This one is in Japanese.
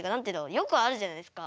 よくあるじゃないですか。